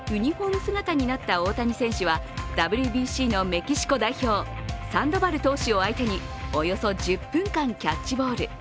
姿になった大谷選手はＷＢＣのメキシコ代表、サンドバル投手を相手におよそ１０分間、キャッチボール。